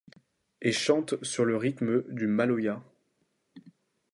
Et chante sur le rythme du maloya.